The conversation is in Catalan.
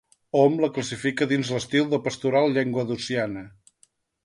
Hom la classifica dins l'estil de pastoral llenguadociana.